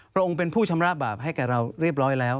องค์เป็นผู้ชำระบาปให้กับเราเรียบร้อยแล้ว